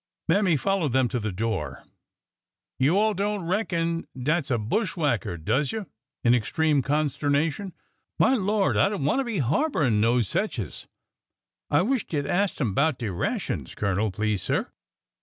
Mammy followed them to the door. ''You all don't reckon dat 's a bushwhacker, does you?"— in extreme consternation. ■' My Lord ! I don't wanter be harborin' no secesh !... I wisht you 'd ast 'em 'bout de rations, colonel, please, sir."